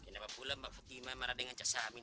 kenapa pula fatima marah dengan cezamin